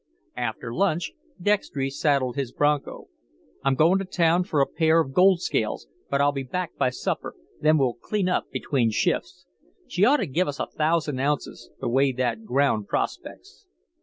After lunch Dextry saddled his bronco. "I'm goin' to town for a pair of gold scales, but I'll be back by supper, then we'll clean up between shifts. She'd ought to give us a thousand ounces, the way that ground prospects."